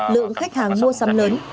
lượng khách hàng mua sắm lớn